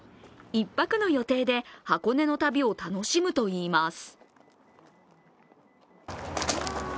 １泊の予定で箱根の旅を楽しむといいます。